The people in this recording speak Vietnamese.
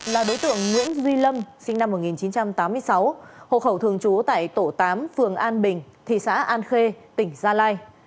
là đối tượng nguyễn duy lâm sinh năm một nghìn chín trăm tám mươi sáu hộ khẩu thường trú tại tổ tám phường an bình thị xã an khê tỉnh gia lai